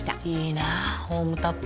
いいなホームタップ。